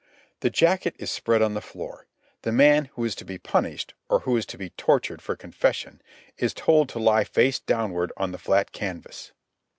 The jacket is spread on the floor. The man who is to be punished, or who is to be tortured for confession, is told to lie face downward on the flat canvas.